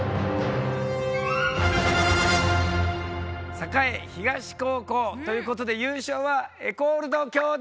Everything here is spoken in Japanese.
栄東高校！ということで優勝はエコるど京大！